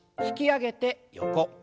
引き上げて横。